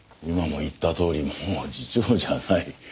今も言ったとおりもう次長じゃない。